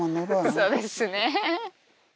そうですね。